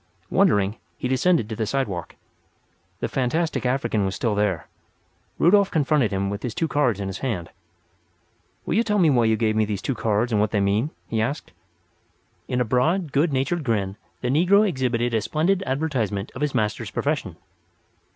Wondering, he descended to the sidewalk. The fantastic African was still there. Rudolf confronted him with his two cards in his hand. "Will you tell me why you gave me these cards and what they mean?" he asked. In a broad, good natured grin the negro exhibited a splendid advertisement of his master's profession.